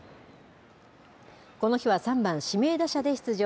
この日は３番指名打者で出場。